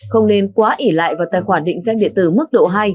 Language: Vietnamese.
không nên quá ỉ lại vào tài khoản định danh điện tử mức độ hai